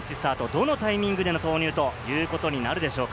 どのタイミングでの投入ということになるでしょうか。